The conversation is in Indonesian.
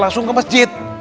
langsung ke masjid